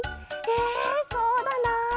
えそうだな。